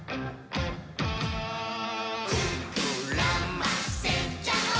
「ふくらませちゃおー！」